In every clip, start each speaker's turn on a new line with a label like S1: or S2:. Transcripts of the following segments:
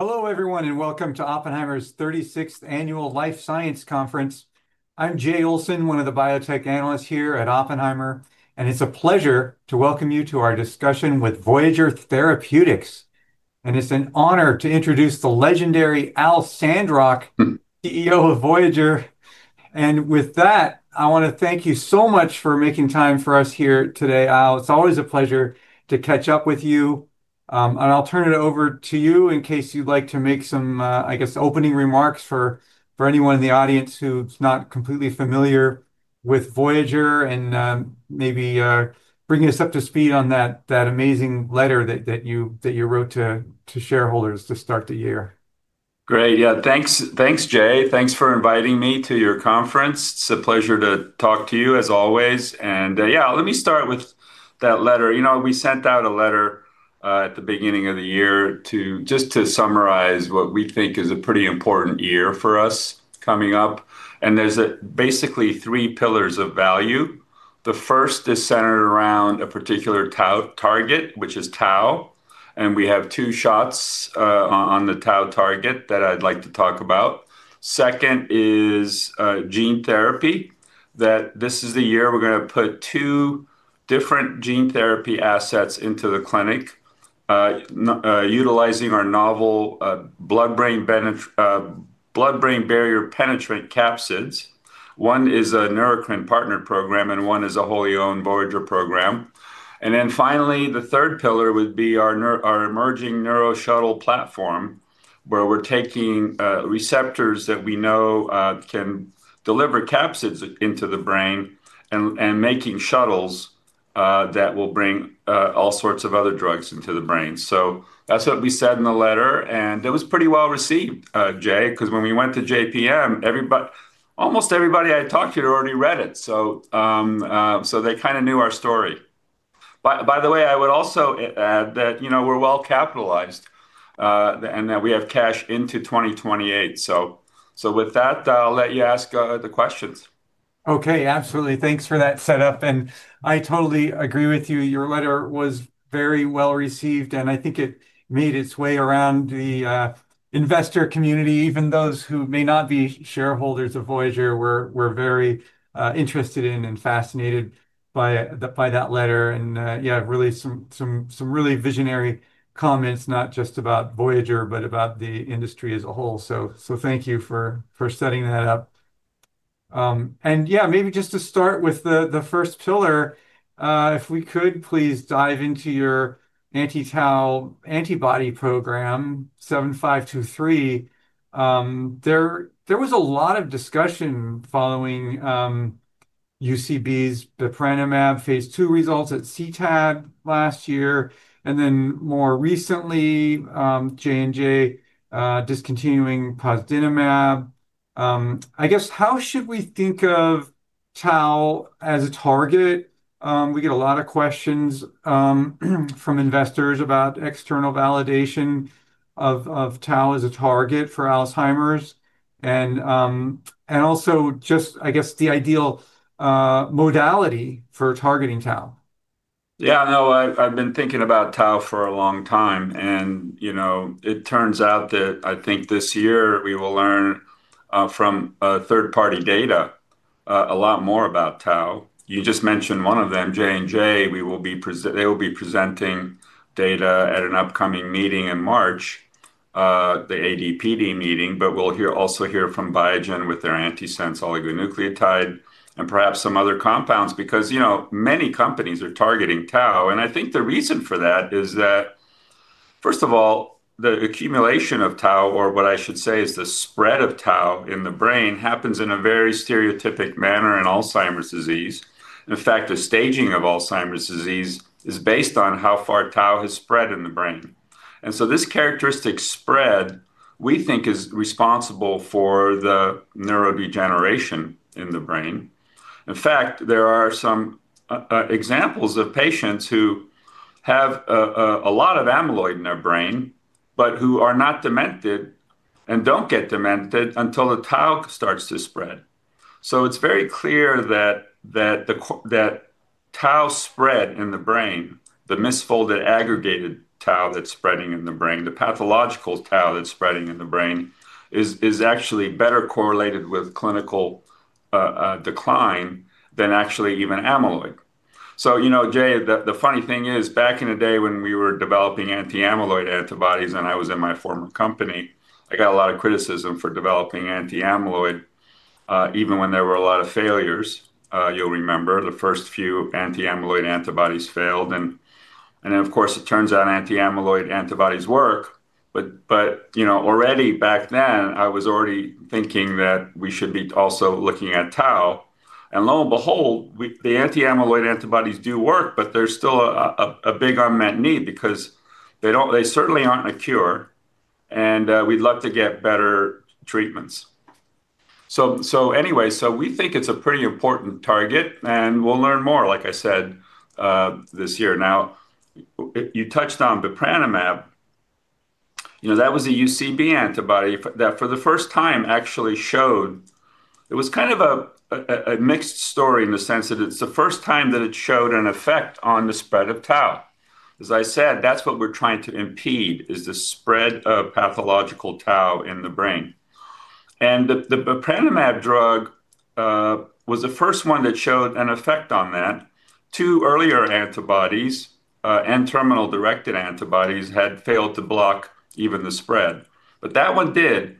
S1: Hello, everyone, welcome to Oppenheimer's 36th Annual Life Science Conference. I'm Jay Olson, one of the biotech analysts here at Oppenheimer, and it's a pleasure to welcome you to our discussion with Voyager Therapeutics. It's an honor to introduce the legendary Al Sandrock, CEO of Voyager. With that, I wanna thank you so much for making time for us here today, Al. It's always a pleasure to catch up with you. I'll turn it over to you in case you'd like to make some, I guess, opening remarks for anyone in the audience who's not completely familiar with Voyager and maybe bringing us up to speed on that amazing letter that you wrote to shareholders to start the year.
S2: Great. Thanks, thanks, Jay. Thanks for inviting me to your conference. It's a pleasure to talk to you, as always. Let me start with that letter. You know, we sent out a letter at the beginning of the year just to summarize what we think is a pretty important year for us coming up. There's basically 3 pillars of value. The first is centered around a particular tau target, which is tau. We have 2 shots on the tau target that I'd like to talk about. 2nd is gene therapy, that this is the year we're gonna put 2 different gene therapy assets into the clinic utilizing our novel blood-brain barrier-penetrant capsids. One is a Neurocrine partner program. One is a wholly owned Voyager program. Finally, the 3rd pillar would be our emerging NeuroShuttle platform, where we're taking receptors that we know can deliver capsids into the brain and making shuttles that will bring all sorts of other drugs into the brain. That's what we said in the letter, and it was pretty well-received, Jay, 'cause when we went to JPM, almost everybody I talked to had already read it, so they kinda knew our story. By the way, I would also add that, you know, we're well capitalized, and that we have cash into 2028. With that, I'll let you ask the questions.
S1: Okay, absolutely. Thanks for that setup, and I totally agree with you. Your letter was very well-received, and I think it made its way around the investor community. Even those who may not be shareholders of Voyager were very interested in and fascinated by that letter, and yeah, really some really visionary comments, not just about Voyager, but about the industry as a whole. Thank you for setting that up. Yeah, maybe just to start with the first pillar, if we could please dive into your anti-tau antibody program, VY7523. There was a lot of discussion following UCB's bepranemab phase II results at CTAD last year, and then more recently, J&J discontinuing posdinemab. I guess, how should we think of tau as a target? We get a lot of questions from investors about external validation of tau as a target for Alzheimer's, and also just, I guess, the ideal modality for targeting tau.
S2: Yeah, no, I've been thinking about tau for a long time. You know, it turns out that I think this year we will learn from third-party data a lot more about tau. You just mentioned one of them, J&J. They will be presenting data at an upcoming meeting in March, the ADPD meeting. We'll also hear from Biogen with their antisense oligonucleotide and perhaps some other compounds, because, you know, many companies are targeting tau. I think the reason for that is that, first of all, the accumulation of tau, or what I should say, is the spread of tau in the brain, happens in a very stereotypic manner in Alzheimer's disease. In fact, the staging of Alzheimer's disease is based on how far tau has spread in the brain. This characteristic spread, we think, is responsible for the neurodegeneration in the brain. In fact, there are some examples of patients who have a lot of amyloid in their brain, but who are not demented and don't get demented until the tau starts to spread. It's very clear that tau spread in the brain, the misfolded, aggregated tau that's spreading in the brain, the pathological tau that's spreading in the brain, is actually better correlated with clinical decline than actually even amyloid. You know, Jay, the funny thing is, back in the day when we were developing anti-amyloid antibodies, and I was in my former company, I got a lot of criticism for developing anti-amyloid even when there were a lot of failures. You'll remember the first few anti-amyloid antibodies failed, and of course, it turns out anti-amyloid antibodies work. You know, already back then, I was already thinking that we should be also looking at tau. Lo and behold, the anti-amyloid antibodies do work, but there's still a big unmet need because they certainly aren't a cure, and we'd love to get better treatments. Anyway, we think it's a pretty important target, and we'll learn more, like I said, this year. You touched on bepranemab. You know, that was a UCB antibody that for the first time actually showed. It was kind of a mixed story in the sense that it's the first time that it showed an effect on the spread of tau. As I said, that's what we're trying to impede, is the spread of pathological tau in the brain. The bepranemab drug was the first one that showed an effect on that. 2 earlier antibodies, N-terminal directed antibodies, had failed to block even the spread, but that one did,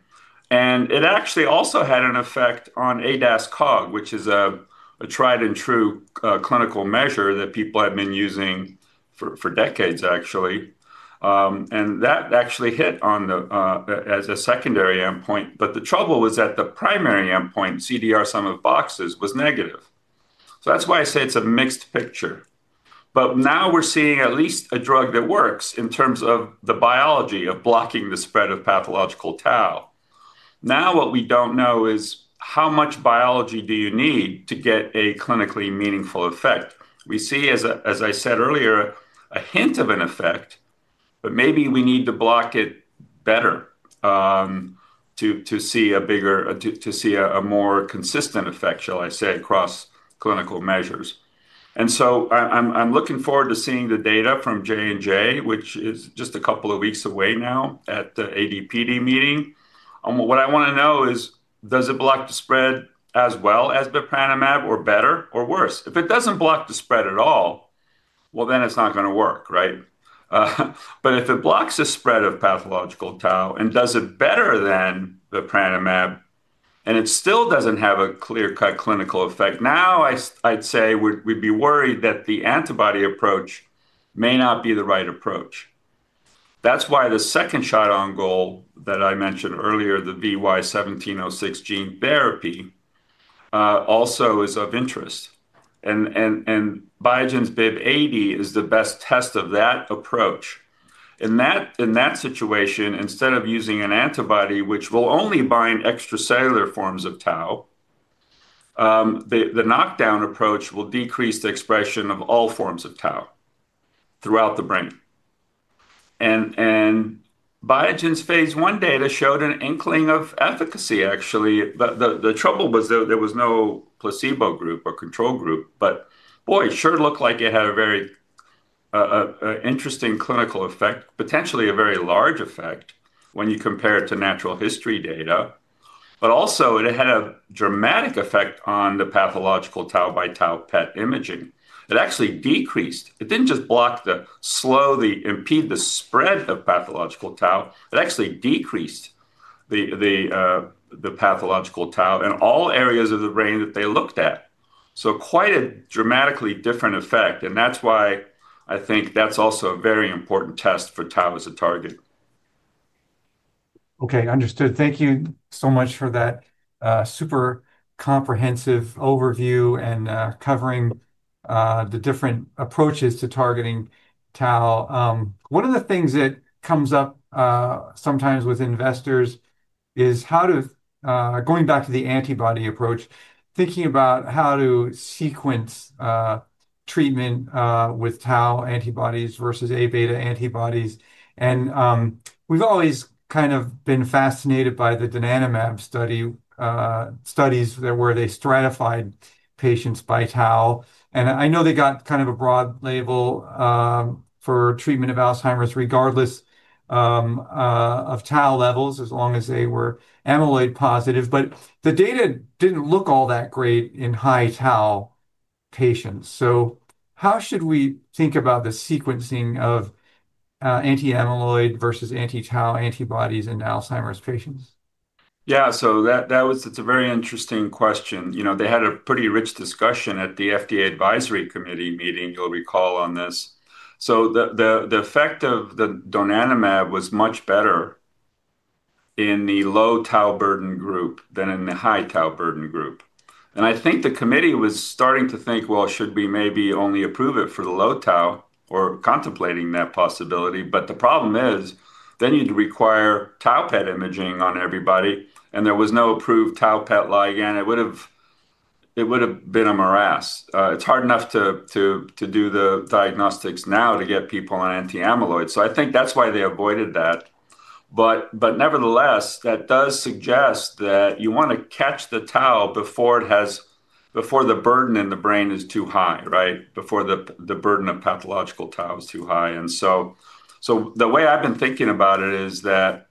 S2: and it actually also had an effect on ADAS-Cog, which is a tried and true clinical measure that people have been using for decades, actually. That actually hit on the as a secondary endpoint, but the trouble was that the primary endpoint, CDR-SB, was negative. That's why I say it's a mixed picture. Now we're seeing at least a drug that works in terms of the biology of blocking the spread of pathological tau. Now, what we don't know is, how much biology do you need to get a clinically meaningful effect? We see, as I said earlier, a hint of an effect, but maybe we need to block it better to see a more consistent effect, shall I say, across clinical measures. I'm looking forward to seeing the data from J&J, which is just a couple of weeks away now at the ADPD meeting. What I wanna know is, does it block the spread as well as bepranemab, or better, or worse? If it doesn't block the spread at all, well, then it's not gonna work, right? If it blocks the spread of pathological tau and does it better than bepranemab, and it still doesn't have a clear-cut clinical effect, now I'd say we'd be worried that the antibody approach may not be the right approach. That's why the 2nd shot on goal that I mentioned earlier, the VY-1706 gene therapy also is of interest, and Biogen's BIIB080 is the best test of that approach. In that situation, instead of using an antibody, which will only bind extracellular forms of tau, the knockdown approach will decrease the expression of all forms of tau throughout the brain. Biogen's phase I data showed an inkling of efficacy, actually, but the trouble was there was no placebo group or control group. Boy, it sure looked like it had a interesting clinical effect, potentially a very large effect when you compare it to natural history data. Also, it had a dramatic effect on the pathological tau by tau PET imaging. It actually decreased. It didn't just block the, slow the, impede the spread of pathological tau, it actually decreased the pathological tau in all areas of the brain that they looked at. Quite a dramatically different effect, and that's why I think that's also a very important test for tau as a target.
S1: Okay, understood. Thank you so much for that, super comprehensive overview and covering the different approaches to targeting tau. One of the things that comes up sometimes with investors is how to going back to the antibody approach, thinking about how to sequence treatment with tau antibodies versus anti-Aβ antibodies. We've always kind of been fascinated by the donanemab studies, where they stratified patients by tau, and I know they got kind of a broad label for treatment of Alzheimer's, regardless of tau levels, as long as they were amyloid positive. The data didn't look all that great in high tau patients. How should we think about the sequencing of anti-amyloid versus anti-tau antibodies in Alzheimer's patients?
S2: Yeah, it's a very interesting question. You know, they had a pretty rich discussion at the FDA advisory committee meeting, you'll recall on this. The effect of the donanemab was much better in the low tau burden group than in the high tau burden group. I think the committee was starting to think, "Well, should we maybe only approve it for the low tau?" Or contemplating that possibility. The problem is, then you'd require tau PET imaging on everybody, and there was no approved tau PET ligand. It would've been a morass. It's hard enough to do the diagnostics now to get people on anti-amyloid. I think that's why they avoided that. Nevertheless, that does suggest that you wanna catch the tau before the burden in the brain is too high, right? Before the burden of pathological tau is too high. So the way I've been thinking about it is that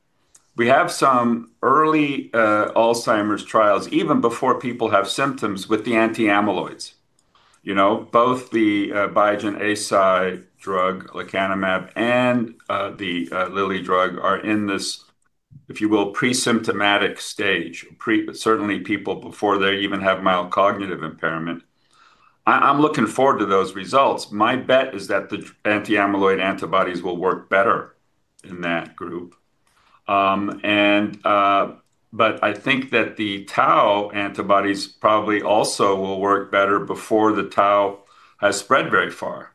S2: we have some early Alzheimer's trials, even before people have symptoms, with the anti-amyloids. You know, both the Biogen anti-Aβ drug, lecanemab, and the Lilly drug are in this, if you will, pre-symptomatic stage. Certainly people before they even have mild cognitive impairment. I'm looking forward to those results. My bet is that the anti-amyloid antibodies will work better in that group. I think that the tau antibodies probably also will work better before the tau has spread very far.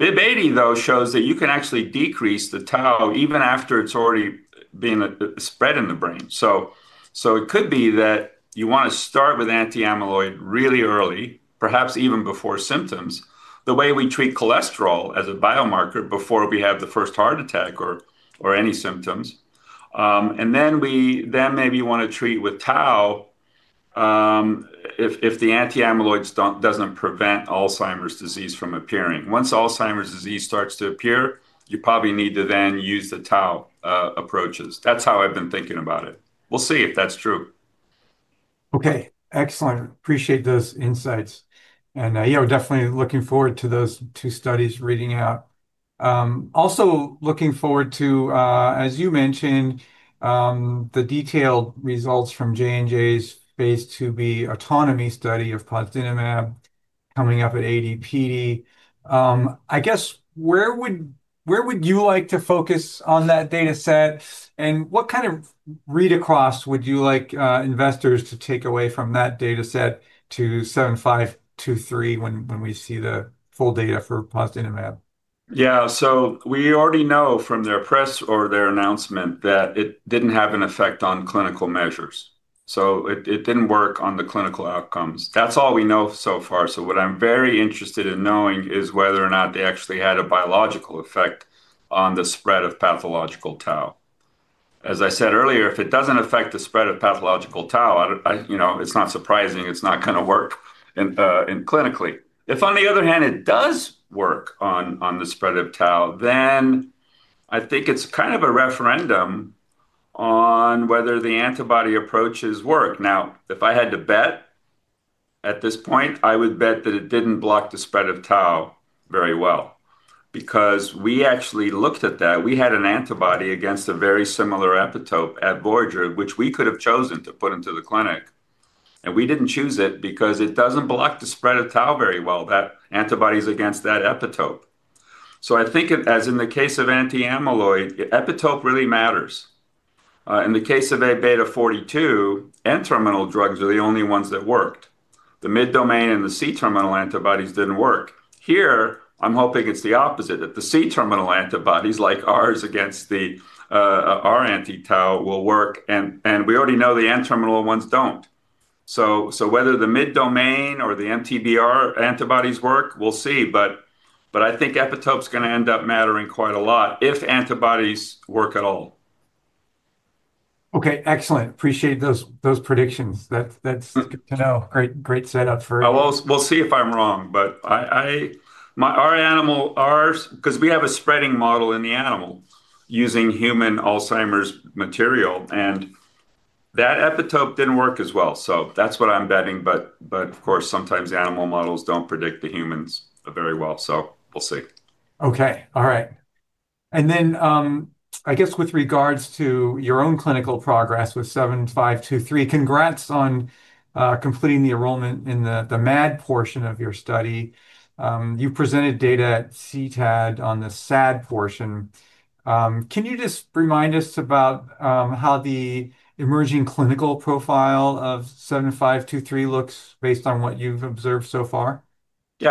S2: BIIB080, though, shows that you can actually decrease the tau even after it's already been spread in the brain. It could be that you wanna start with anti-amyloid really early, perhaps even before symptoms, the way we treat cholesterol as a biomarker before we have the first heart attack or any symptoms. Then maybe you want to treat with tau if the anti-amyloids don't prevent Alzheimer's disease from appearing. Once Alzheimer's disease starts to appear, you probably need to then use the tau approaches. That's how I've been thinking about it. We'll see if that's true.
S1: Okay, excellent. Appreciate those insights. Yeah, we're definitely looking forward to those 2 studies reading out. Also looking forward to, as you mentioned, the detailed results from J&J's Phase 2b AUTONOMY study of donanemab coming up at ADPD. I guess, where would you like to focus on that data set, and what kind of read-across would you like investors to take away from that data set to VY7523 when we see the full data for donanemab?
S2: We already know from their press or their announcement that it didn't have an effect on clinical measures, so it didn't work on the clinical outcomes. That's all we know so far. What I'm very interested in knowing is whether or not they actually had a biological effect on the spread of pathological tau. As I said earlier, if it doesn't affect the spread of pathological tau, I, you know, it's not surprising, it's not gonna work in clinically. If, on the other hand, it does work on the spread of tau, then I think it's kind of a referendum on whether the antibody approaches work. If I had to bet, at this point, I would bet that it didn't block the spread of tau very well, because we actually looked at that. We had an antibody against a very similar epitope at Voyager, which we could have chosen to put into the clinic, and we didn't choose it because it doesn't block the spread of tau very well, that antibodies against that epitope. I think it, as in the case of anti-amyloid, epitope really matters. In the case of Aβ42, N-terminal drugs are the only ones that worked. The mid domain and the C-terminal antibodies didn't work. Here, I'm hoping it's the opposite, that the C-terminal antibodies, like ours against the, our anti-tau, will work, and we already know the N-terminal ones don't. Whether the mid domain or the MTBR antibodies work, we'll see, but I think epitope's gonna end up mattering quite a lot if antibodies work at all.
S1: Okay, excellent. Appreciate those predictions. That's good to know. Great setup.
S2: Well, we'll see if I'm wrong, but I our animal, ours 'cause we have a spreading model in the animal using human Alzheimer's material, and that epitope didn't work as well, so that's what I'm betting. Of course, sometimes animal models don't predict the humans very well, so we'll see.
S1: Okay. All right. I guess with regards to your own clinical progress with 7523, congrats on completing the enrollment in the MAD portion of your study. You presented data at CTAD on the SAD portion. Can you just remind us about how the emerging clinical profile of 7523 looks based on what you've observed so far?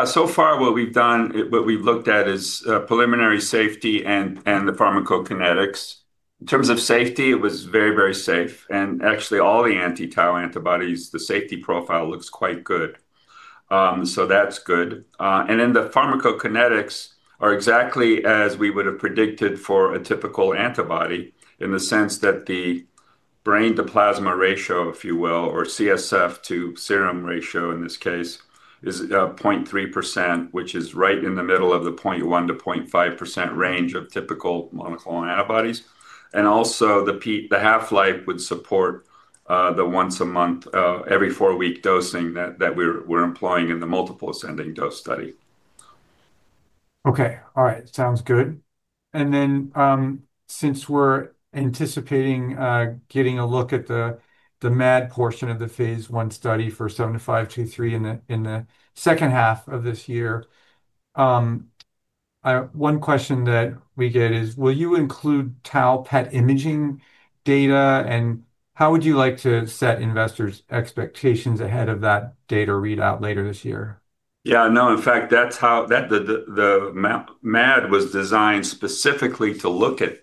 S2: So far, what we've done, what we've looked at is preliminary safety and the pharmacokinetics. In terms of safety, it was very safe, and actually all the anti-tau antibodies, the safety profile looks quite good. That's good. The pharmacokinetics are exactly as we would have predicted for a typical antibody, in the sense that the brain-to-plasma ratio, if you will, or CSF to serum ratio in this case, is 0.3%, which is right in the middle of the 0.1%-0.5% range of typical monoclonal antibodies. Also, the half-life would support the once a month, every 4-week dosing that we're employing in the multiple ascending dose study.
S1: Okay. All right. Sounds good. Since we're anticipating getting a look at the MAD portion of the phase 1 study for VY7523 in the H2 of this year, one question that we get is, will you include tau PET imaging data, and how would you like to set investors' expectations ahead of that data readout later this year?
S2: Yeah, no, in fact, MAD was designed specifically to look at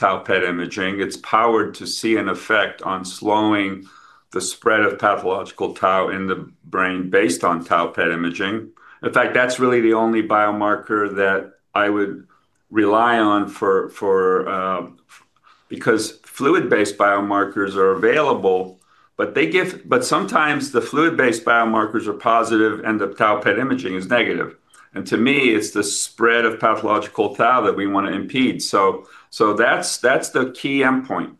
S2: tau PET imaging. It's powered to see an effect on slowing the spread of pathological tau in the brain based on tau PET imaging. In fact, that's really the only biomarker that I would rely on for, Because fluid-based biomarkers are available, but sometimes the fluid-based biomarkers are positive, and the tau PET imaging is negative. To me, it's the spread of pathological tau that we wanna impede. so that's the key endpoint.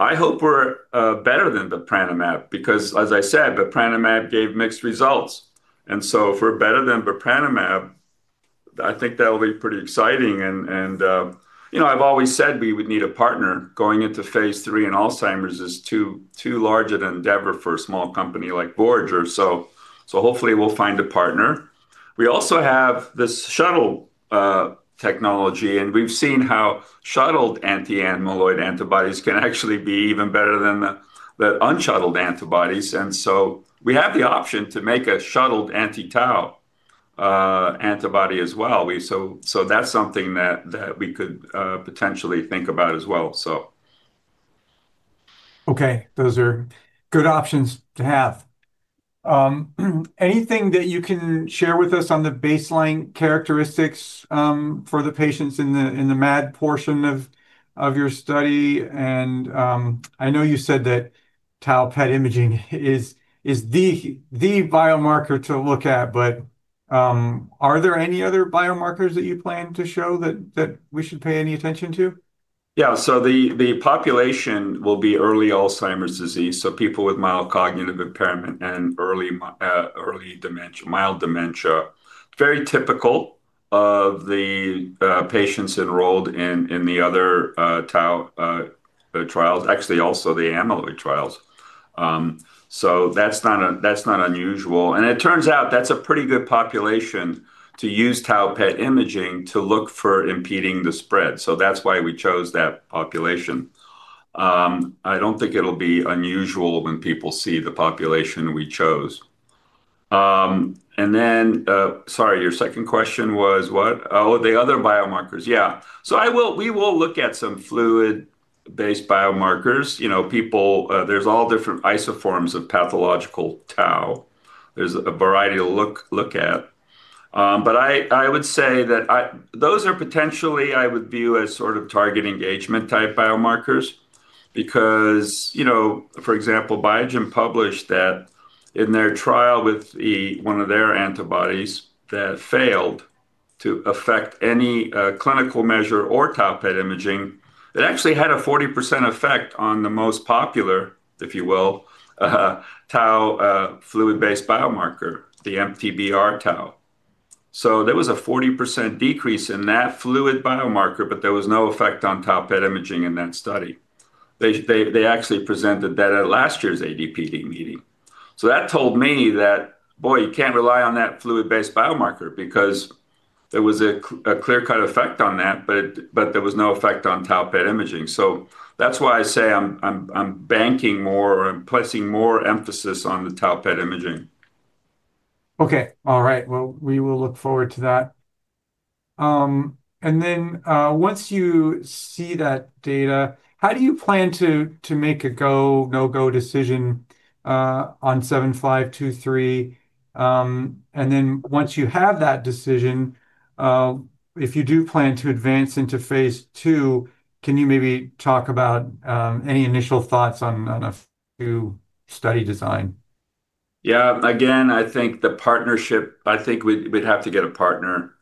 S2: I hope we're better than the bepranumab, because, as I said, bepranumab gave mixed results. For better than bepranumab, I think that will be pretty exciting. You know, I've always said we would need a partner going into Phase 3, and Alzheimer's is too large an endeavor for a small company like Voyager. Hopefully we'll find a partner. We also have this shuttle technology, and we've seen how shuttled anti-amyloid antibodies can actually be even better than the unshuttled antibodies. We have the option to make a shuttled anti-tau antibody as well. That's something that we could potentially think about as well.
S1: Okay, those are good options to have. Anything that you can share with us on the baseline characteristics for the patients in the MAD portion of your study? I know you said that tau PET imaging is the biomarker to look at, but are there any other biomarkers that you plan to show that we should pay any attention to?
S2: The population will be early Alzheimer's disease, so people with mild cognitive impairment and early mild dementia. Very typical of the patients enrolled in the other tau trials, actually also the amyloid trials. That's not unusual. It turns out that's a pretty good population to use tau PET imaging to look for impeding the spread. That's why we chose that population. I don't think it'll be unusual when people see the population we chose. Sorry, your second question was what? Oh, the other biomarkers. Yeah. We will look at some fluid-based biomarkers. You know, people, there's all different isoforms of pathological tau. There's a variety to look at. I would say that those are potentially, I would view, as sort of target engagement type biomarkers because, you know, for example, Biogen published that in their trial with the one of their antibodies that failed to affect any clinical measure or tau PET imaging, it actually had a 40% effect on the most popular, if you will, tau fluid-based biomarker, the MTBR tau. There was a 40% decrease in that fluid biomarker, but there was no effect on tau PET imaging in that study. They actually presented that at last year's ADPD meeting. That told me that, boy, you can't rely on that fluid-based biomarker because there was a clear-cut effect on that, but there was no effect on tau PET imaging. That's why I say I'm banking more or I'm placing more emphasis on the tau PET imaging.
S1: We will look forward to that. Once you see that data, how do you plan to make a go, no-go decision on VY7523? Once you have that decision, if you do plan to advance into phase 2, can you maybe talk about any initial thoughts on a new study design?
S2: I think we'd have to get a partner.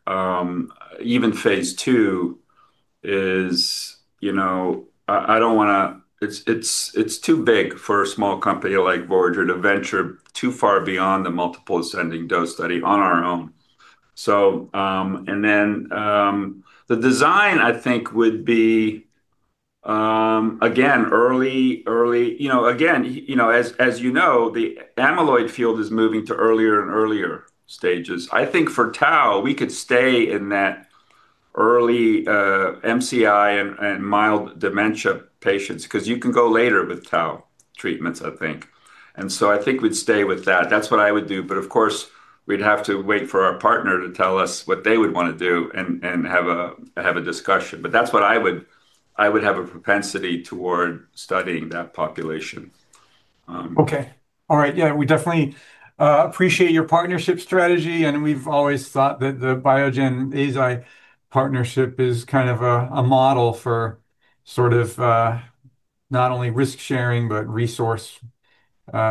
S2: Even phase 2 is, you know... I don't wanna, it's too big for a small company like Voyager to venture too far beyond the multiple ascending dose study on our own. The design, I think, would be early, you know, you know, as you know, the amyloid field is moving to earlier and earlier stages. I think for tau, we could stay in that early MCI and mild dementia patients, 'cause you can go later with tau treatments, I think. I think we'd stay with that. That's what I would do. Of course, we'd have to wait for our partner to tell us what they would wanna do and have a discussion. That's what I would have a propensity toward studying that population.
S1: Okay. All right. Yeah, we definitely appreciate your partnership strategy. We've always thought that the Biogen-Eisai partnership is kind of a model for sort of not only risk sharing, but resource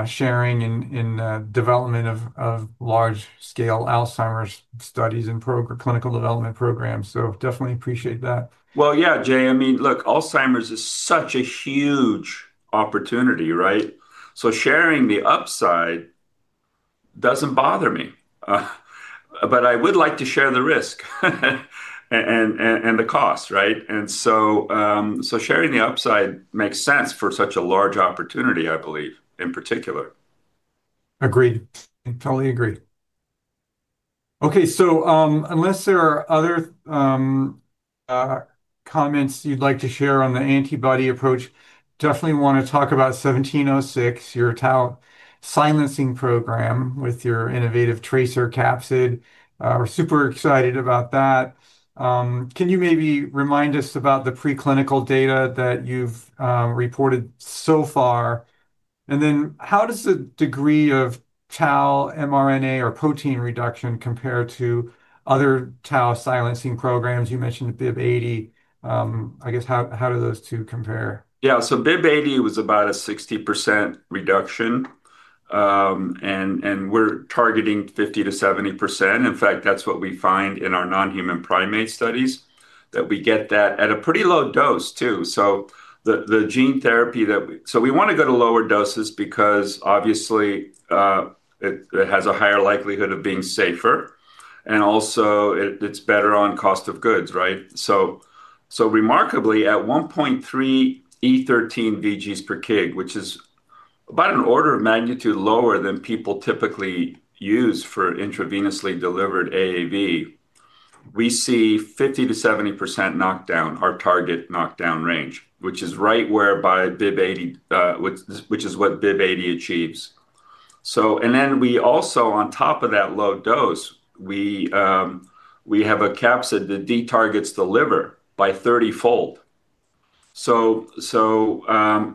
S1: sharing in development of large-scale Alzheimer's studies and clinical development programs. Definitely appreciate that.
S2: Well, yeah, Jay, I mean, look, Alzheimer's is such a huge opportunity, right? Sharing the upside doesn't bother me, but I would like to share the risk and the cost, right? Sharing the upside makes sense for such a large opportunity, I believe, in particular.
S1: Agreed. I totally agree. Unless there are other comments you'd like to share on the antibody approach, definitely wanna talk about VY1706, your tau silencing program with your innovative TRACER capsid. We're super excited about that. Can you maybe remind us about the preclinical data that you've reported so far? How does the degree of tau mRNA or protein reduction compare to other tau silencing programs? You mentioned BIIB080. How do those 2 compare?
S2: Yeah. BIIB080 was about a 60% reduction, and we're targeting 50%-70%. In fact, that's what we find in our non-human primate studies, that we get that at a pretty low dose, too. The gene therapy that we wanna go to lower doses because, obviously, it has a higher likelihood of being safer, and also it's better on cost of goods, right? Remarkably, at 1.3 × 10¹³ vg/kg, which is about an order of magnitude lower than people typically use for intravenously delivered AAV, we see 50%-70% knockdown, our target knockdown range, which is right whereby BIIB080, which is what BIIB080 achieves. We also, on top of that low dose, we have a capsid that de-targets the liver by 30-fold.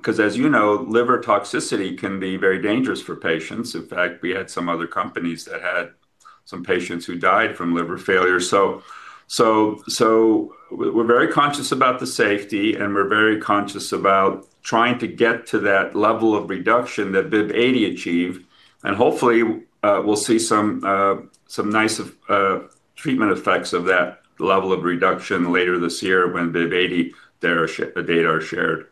S2: 'cause as you know, liver toxicity can be very dangerous for patients. In fact, we had some other companies that had some patients who died from liver failure. We're very conscious about the safety, and we're very conscious about trying to get to that level of reduction that BIIB080 achieved, and hopefully, we'll see some nice treatment effects of that level of reduction later this year when BIIB080, their the data are shared.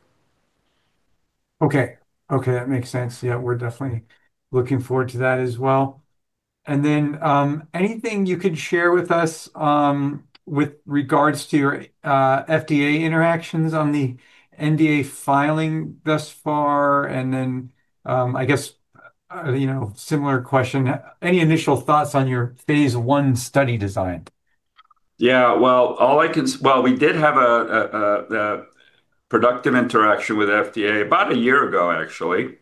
S1: Okay. Okay, that makes sense. Yeah, we're definitely looking forward to that as well. Anything you could share with us with regards to your FDA interactions on the NDA filing thus far? I guess, you know, similar question, any initial thoughts on your Phase I study design?
S2: Yeah, well, all I can we did have a productive interaction with FDA about a year ago, actually.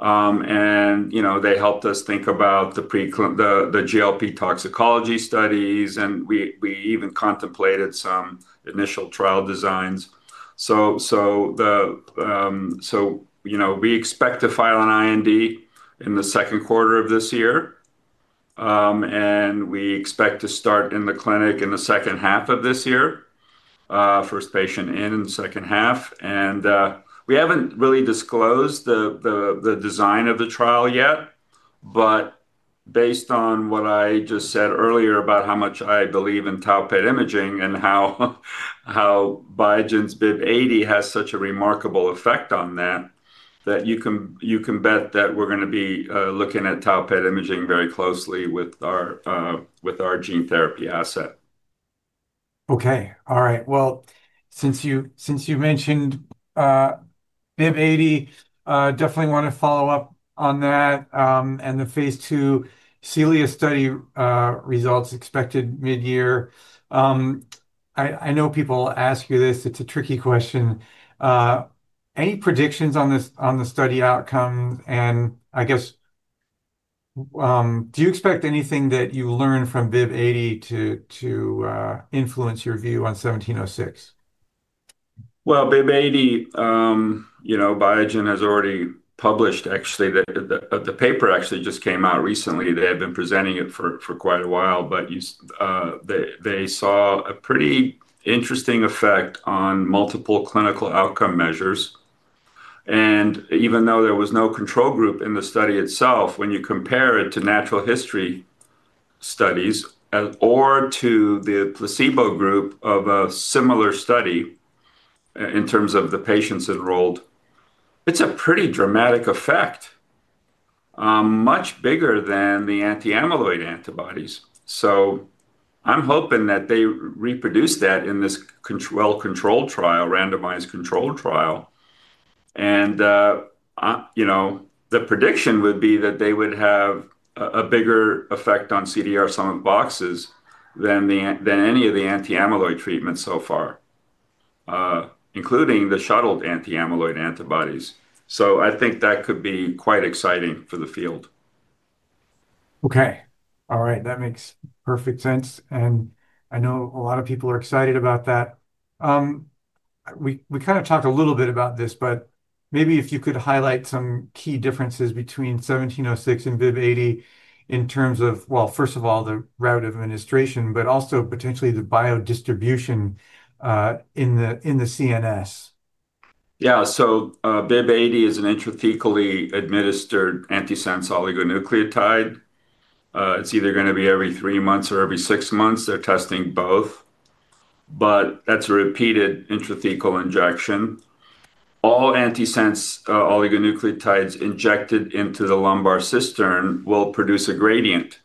S2: You know, they helped us think about the GLP toxicology studies, and we even contemplated some initial trial designs. You know, we expect to file an IND in the Q2 of this year, we expect to start in the clinic in the H2 of this year, first patient in the H2. We haven't really disclosed the design of the trial yet, but based on what I just said earlier about how much I believe in tau PET imaging and how Biogen's BIIB080 has such a remarkable effect on that you can bet that we're gonna be looking at tau PET imaging very closely with our gene therapy asset.
S1: Okay. All right. Well, since you mentioned BIIB080, definitely want to follow up on that, and the Phase 2 CELIA study, results expected mid-year. I know people ask you this, it's a tricky question. Any predictions on the study outcome? I guess, do you expect anything that you learn from BIIB080 to influence your view on VY1706?
S2: Well, BIIB080, you know, Biogen has already published, actually, the paper actually just came out recently. They have been presenting it for quite a while, but you, they saw a pretty interesting effect on multiple clinical outcome measures. Even though there was no control group in the study itself, when you compare it to natural history studies, or to the placebo group of a similar study in terms of the patients enrolled, it's a pretty dramatic effect, much bigger than the anti-amyloid antibodies. I'm hoping that they reproduce that in this well-controlled trial, randomized controlled trial. you know, the prediction would be that they would have a bigger effect on CDR sum of boxes than any of the anti-amyloid treatments so far, including the shuttled anti-amyloid antibodies. I think that could be quite exciting for the field.
S1: Okay. All right, that makes perfect sense. I know a lot of people are excited about that. We kind of talked a little bit about this, but maybe if you could highlight some key differences between VY-1706 and BIIB080 in terms of, well, first of all, the route of administration, but also potentially the biodistribution in the CNS.
S2: BIIB080 is an intrathecally administered antisense oligonucleotide. It's either gonna be every 3 months or every 6 months, they're testing both, but that's a repeated intrathecal injection. All antisense oligonucleotides injected into the lumbar cistern will produce a gradient,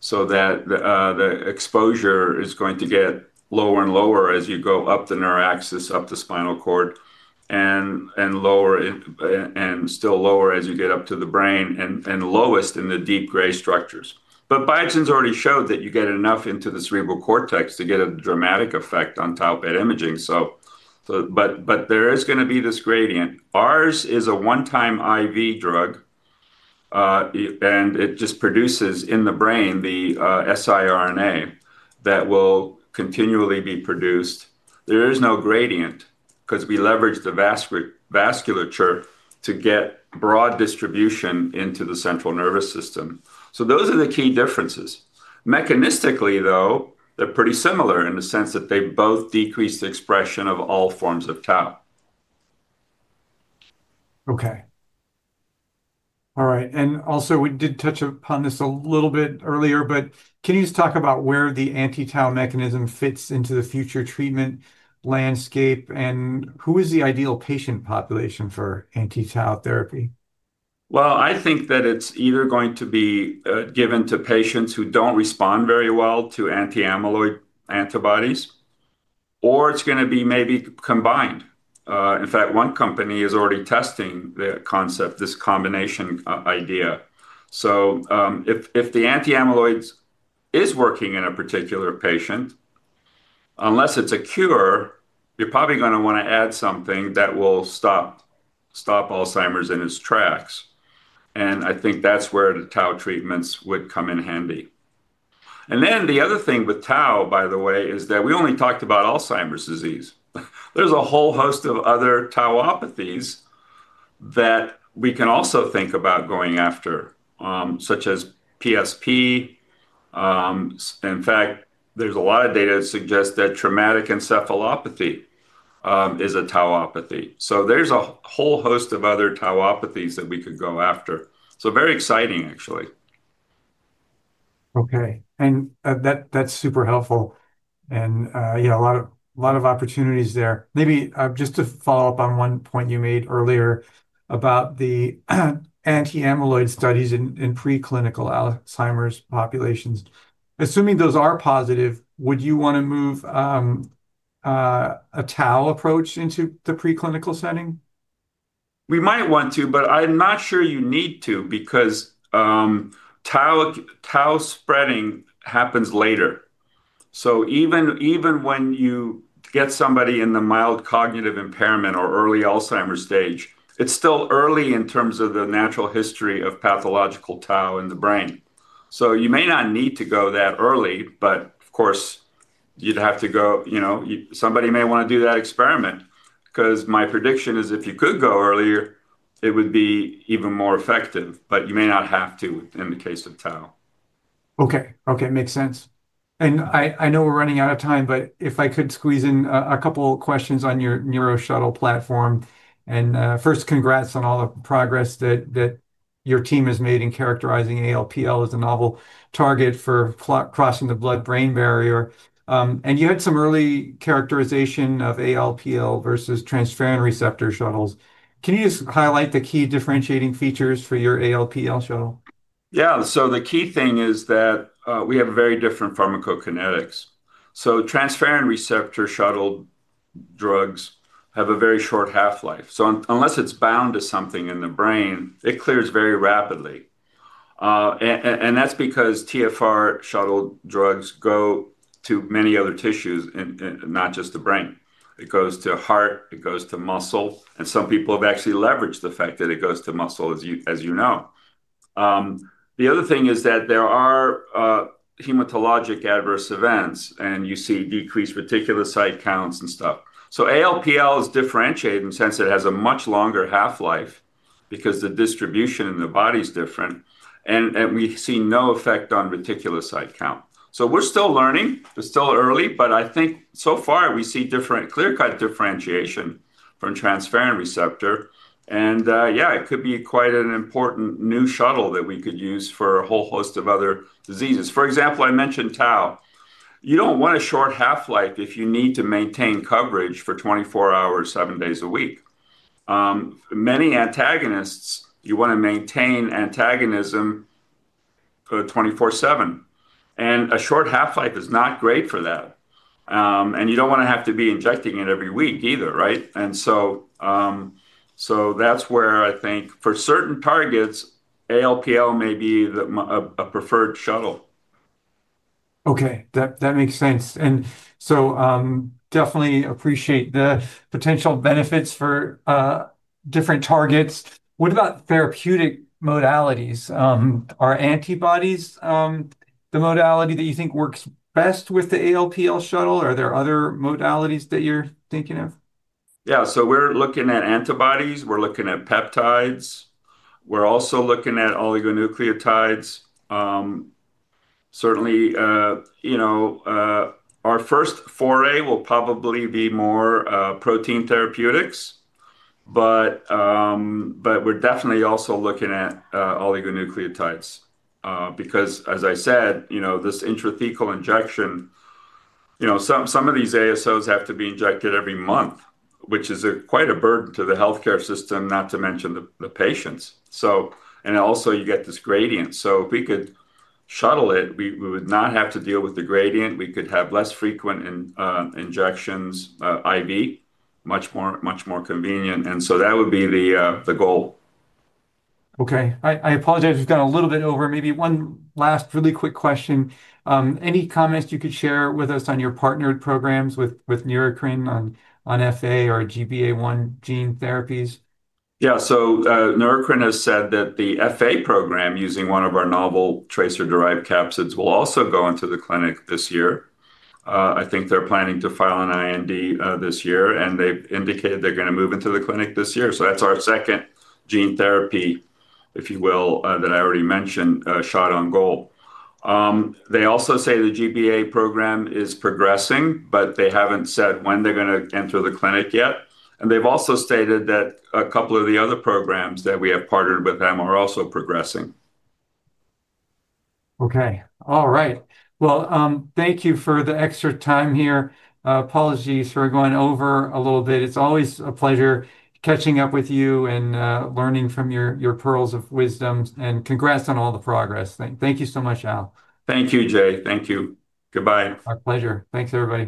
S2: so that the exposure is going to get lower and lower as you go up the neuraxis, up the spinal cord, and still lower as you get up to the brain, and lowest in the deep gray structures. Biogen's already showed that you get enough into the cerebral cortex to get a dramatic effect on tau PET imaging. There is gonna be this gradient. Ours is a 1-time IV drug, and it just produces in the brain the siRNA that will continually be produced. There is no gradient, 'cause we leverage the vasculature to get broad distribution into the central nervous system. Those are the key differences. Mechanistically, though, they're pretty similar in the sense that they both decrease the expression of all forms of tau.
S1: Okay. All right, also, we did touch upon this a little bit earlier, but can you just talk about where the anti-tau mechanism fits into the future treatment landscape, and who is the ideal patient population for anti-tau therapy?
S2: I think that it's either going to be given to patients who don't respond very well to anti-amyloid antibodies, or it's gonna be maybe combined. In fact, one company is already testing the concept, this combination idea. If the anti-amyloids is working in a particular patient unless it's a cure, you're probably gonna wanna add something that will stop Alzheimer's in its tracks, and I think that's where the tau treatments would come in handy. The other thing with tau, by the way, is that we only talked about Alzheimer's disease. There's a whole host of other tauopathies that we can also think about going after, such as PSP. In fact, there's a lot of data that suggests that traumatic encephalopathy is a tauopathy. There's a whole host of other tauopathies that we could go after. Very exciting, actually.
S1: Okay, and that's super helpful, and, yeah, a lot of opportunities there. Maybe, just to follow up on one point you made earlier about the anti-amyloid studies in pre-clinical Alzheimer's populations. Assuming those are positive, would you wanna move, a tau approach into the pre-clinical setting?
S2: We might want to, but I'm not sure you need to because tau spreading happens later. Even when you get somebody in the mild cognitive impairment or early Alzheimer's stage, it's still early in terms of the natural history of pathological tau in the brain. You may not need to go that early, but of course, you'd have to go. You know, somebody may wanna do that experiment, 'cause my prediction is if you could go earlier, it would be even more effective, but you may not have to in the case of tau.
S1: Okay. Okay, makes sense. I know we're running out of time, but if I could squeeze in a couple of questions on your NeuroShuttle platform. First, congrats on all the progress that your team has made in characterizing ALPL as a novel target for crossing the blood-brain barrier. You had some early characterization of ALPL versus transferrin receptor shuttles. Can you just highlight the key differentiating features for your ALPL shuttle?
S2: The key thing is that we have a very different pharmacokinetics. Transferrin receptor shuttle drugs have a very short half-life. Unless it's bound to something in the brain, it clears very rapidly. That's because TFR shuttle drugs go to many other tissues and not just the brain. It goes to heart, it goes to muscle, and some people have actually leveraged the fact that it goes to muscle, as you know. The other thing is that there are hematologic adverse events, and you see decreased reticulocyte counts and stuff. ALPL is differentiated in the sense it has a much longer half-life because the distribution in the body is different, and we've seen no effect on reticulocyte count. We're still learning. It's still early, but I think so far, we see different clear-cut differentiation from transferrin receptor. Yeah, it could be quite an important new shuttle that we could use for a whole host of other diseases. For example, I mentioned tau. You don't want a short half-life if you need to maintain coverage for 24 hours, 7 days a week. Many antagonists, you wanna maintain antagonism, 24/7, and a short half-life is not great for that. You don't wanna have to be injecting it every week either, right? So that's where I think for certain targets, ALPL may be the preferred shuttle.
S1: Okay, that makes sense. Definitely appreciate the potential benefits for different targets. What about therapeutic modalities? Are antibodies the modality that you think works best with the ALPL shuttle, or are there other modalities that you're thinking of?
S2: Yeah. We're looking at antibodies, we're looking at peptides. We're also looking at oligonucleotides. Certainly, you know, our first foray will probably be more protein therapeutics, but we're definitely also looking at oligonucleotides, because, as I said, you know, this intrathecal injection, you know, some of these ASOs have to be injected every month, which is a quite a burden to the healthcare system, not to mention the patients. Also, you get this gradient. If we could shuttle it, we would not have to deal with the gradient. We could have less frequent injections, IV, much more, much more convenient. That would be the goal.
S1: Okay. I apologize, we've gone a little bit over. Maybe one last really quick question. Any comments you could share with us on your partnered programs with Neurocrine on FA or GBA1 gene therapies?
S2: Neurocrine has said that the FA program, using one of our novel TRACER-derived capsids, will also go into the clinic this year. I think they're planning to file an IND this year, and they've indicated they're gonna move into the clinic this year. That's our 2nd gene therapy, if you will, that I already mentioned, shot on goal. They also say the GBA program is progressing. They haven't said when they're gonna enter the clinic yet. They've also stated that a couple of the other programs that we have partnered with them are also progressing.
S1: Okay. All right. Well, thank you for the extra time here. Apologies for going over a little bit. It's always a pleasure catching up with you and, learning from your pearls of wisdom, and congrats on all the progress. Thank you so much, Al.
S2: Thank you, Jay. Thank you. Goodbye.
S1: My pleasure. Thanks, everybody.